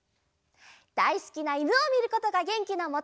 だいすきないぬをみることがげんきのもと！